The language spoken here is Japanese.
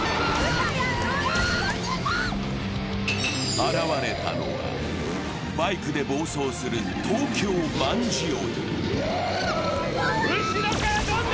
現れたのはバイクで暴走する東京卍鬼。